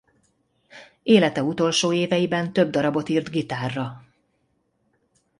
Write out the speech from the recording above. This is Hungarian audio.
Élete utolsó éveiben több darabot írt gitárra.